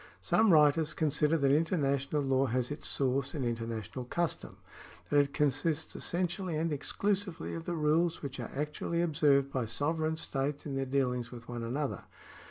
Some writers consider that international law has its source in inter national custom — that it consists essentially and exclusively of the rules which are actually observed by sovereign states in their dealings with one another.